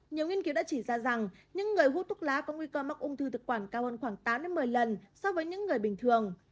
nhiều nghiên cứu đã chỉ ra rằng những người hút thuốc lá có nguy cơ mắc ung thư thực quản cao hơn khoảng tám một mươi lần so với những người bình thường